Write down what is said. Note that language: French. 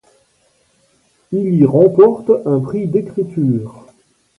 Il y remporte un prix d'écriture.